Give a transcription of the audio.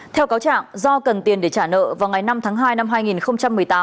theo cáo trạng do cần tiền để trả nợ vào ngày năm tháng hai năm hai nghìn một mươi tám